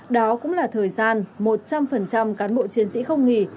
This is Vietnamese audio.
đó cũng là thời gian một trăm linh cán bộ chiến sĩ không nghỉ